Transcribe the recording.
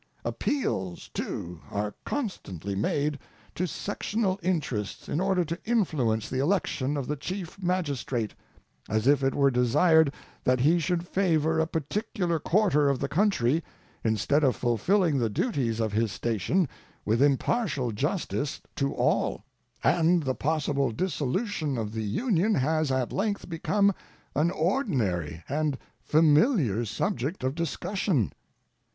Appeals, too, are constantly made to sectional interests in order to influence the election of the Chief Magistrate, as if it were desired that he should favor a particular quarter of the country instead of fulfilling the duties of his station with impartial justice to all; and the possible dissolution of the Union has at length become an ordinary and familiar subject of discussion.